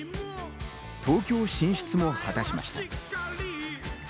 東京進出も果たしました。